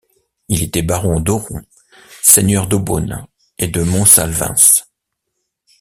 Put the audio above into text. Il était baron d'Oron, seigneur d'Aubonne et de Montsalvens.